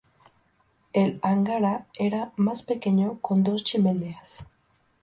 El "Angara" era más pequeño, con dos chimeneas.